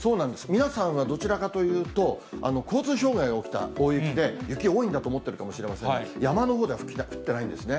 皆さんはどちらかというと、交通障害が起きた大雪で、雪多いんだと思っているかもしれませんが、山のほうでは降ってないんですね。